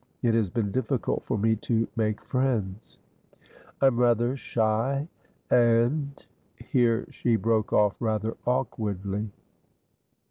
It has been difficult for me to make friends. I am rather shy and " here she broke off rather awkwardly.